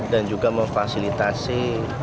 dan juga memfasilitasi